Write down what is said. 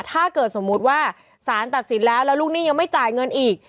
ถ้าเกิดสมมุติว่าสารตัดสินแล้วแล้วลูกหนี้ยังไม่จ่ายเงินอีก